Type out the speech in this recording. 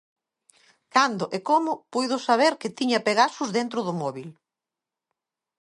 Cando e como puido saber que tiña 'Pegasus' dentro do móbil?